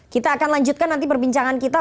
kita akan lanjutkan nanti perbincangan kita